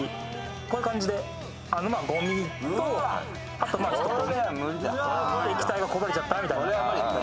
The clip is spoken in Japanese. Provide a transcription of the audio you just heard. こういう感じでごみと液体がこぼれちゃったみたいな。